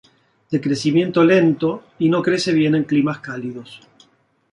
De crecimiento lento, y no crece bien en climas cálidos.